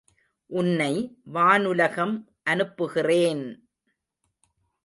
உன்னை வானுலகம் அனுப்புகிறேன்!